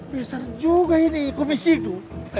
besar juga ini komisi itu